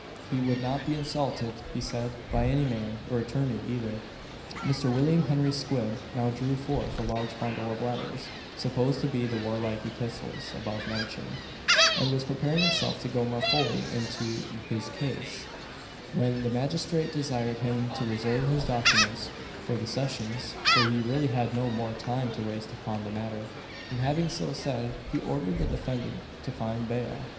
He would not be insulted, he said, by any man, or attorney either. Mr. William Henry Squibb now drew forth a large bundle of letters (supposed to be the warlike epistles above mentioned) and was preparing himself to go more fully into his case, when the magistrate desired him to reserve his documents for the sessions, for he really had no more time to waste upon the matter; and having so said, he ordered the defendant to find bail.